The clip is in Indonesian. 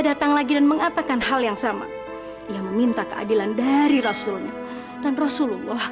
datang lagi dan mengatakan hal yang sama ia meminta keadilan dari rasulnya dan rasulullah